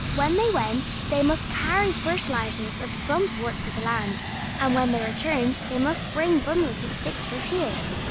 When they went they must carry fertilizers of some sort for the land, and when they returned they must bring bundles of sticks for fuel.